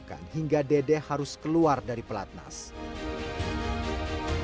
kayaknya misalnya ini kalo mau di conditioning